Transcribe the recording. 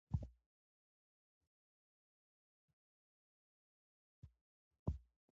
افغانستان د انګورو د ترویج لپاره ځانګړي پروګرامونه لري.